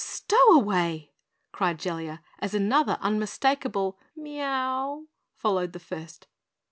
"Stowaway!" cried Jellia, as another unmistakable meough followed the first.